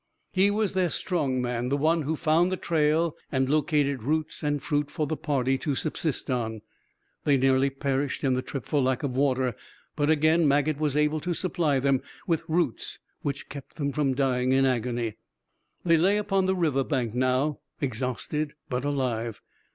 He was their strong man, the one who found the trail and located roots and fruit for the party to subsist on. They nearly perished in the trip for lack of water, but again, Maget was able to supply them with roots which kept them from dying in agony. They lay upon the river bank now, exhausted but alive.